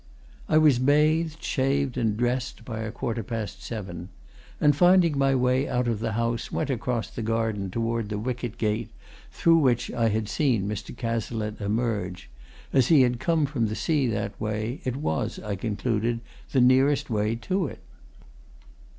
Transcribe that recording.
I was bathed, shaved, and dressed by a quarter past seven, and finding my way out of the house went across the garden towards the wicket gate through which I had seen Mr. Cazalette emerge as he had come from the sea that way, it was, I concluded, the nearest way to it.